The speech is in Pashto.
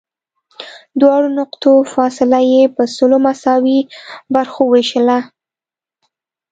دواړو نقطو فاصله یې په سلو مساوي برخو ووېشله.